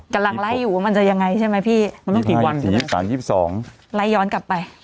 กำลังไล่อยู่ว่ามันจะยังไงใช่ไหมพี่